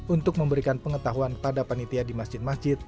untuk memberikan pengetahuan kepada penitia di masjid masjid